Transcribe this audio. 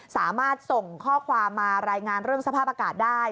สามารถส่งข้อความมารายงานเรื่องสภาพอากาศได้